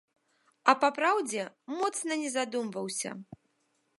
А папраўдзе, моцна не задумваўся.